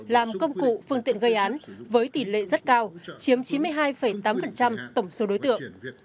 làm công cụ phương tiện gây án với tỷ lệ rất cao chiếm chín mươi hai tám tổng số đối tượng